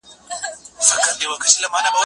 ته ولي کتابونه ليکې